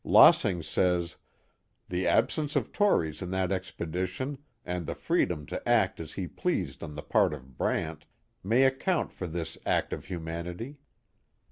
Lossing says: " The absence of Tories in that expedition, and the freedom to act as he pleased on the part of Brant, may account for this act of humanity."